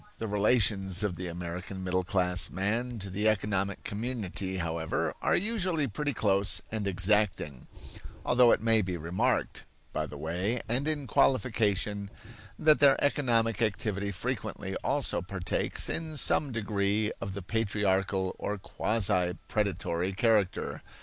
The relations of the American middle class man to the economic community, however, are usually pretty close and exacting; although it may be remarked, by the way and in qualification, that their economic activity frequently also partakes in some degree of the patriarchal or quasi predatory character.